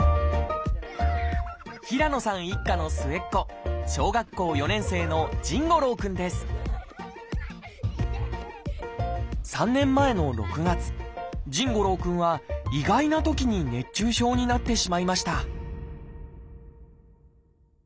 平野さん一家の末っ子小学校４年生の３年前の６月臣伍朗くんは意外なときに熱中症になってしまいました